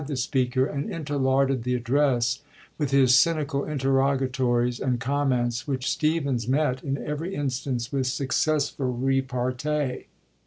the speaker, and interlarded the address with his cynical interrogatories and comments, which Stephens met in every instance with successful repartee.